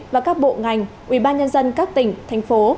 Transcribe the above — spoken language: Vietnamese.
và các bộ ngành ubnd các tỉnh thành phố